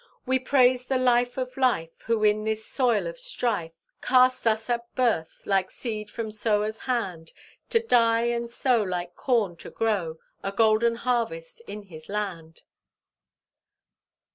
We praise the Life of Life, Who in this soil of strife Casts us at birth, like seed from sower's hand; To die and so Like corn to grow A golden harvest in his land."